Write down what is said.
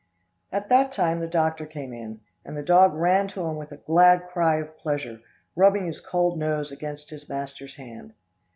At that time the doctor came in, and the dog ran to him with a glad cry of pleasure, rubbing his cold nose against his master's hand.